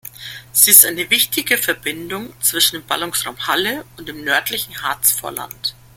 Sie ist eine wichtige Verbindung zwischen dem Ballungsraum Halle und dem nördlichen Harzvorland.